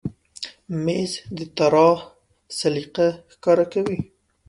مېز د طراح سلیقه ښکاره کوي.